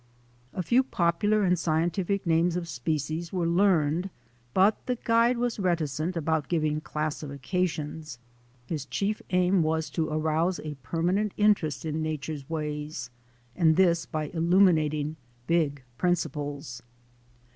A few popular and scientific names of species were learned but the guide was reticent about giving classifications. His chief aim was to arouse a permanent interest in nature's ways, and this by illuminating big principles.